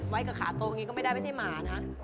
ไว้กับขาโตอย่างนี้ก็ไม่ได้ไม่ใช่หมานะ